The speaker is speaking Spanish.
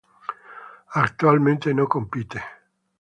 Actualmente no compite.